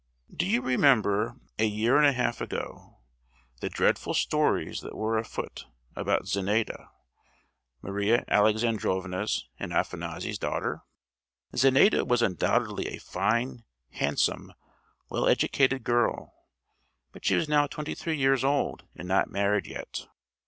Do you remember, a year and a half ago, the dreadful stories that were afoot about Zenaida, Maria Alexandrovna's and Afanassy's daughter? Zenaida was undoubtedly a fine, handsome, well educated girl; but she was now twenty three years old, and not married yet.